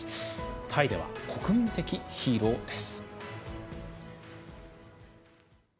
タイでは国民的ヒーローです。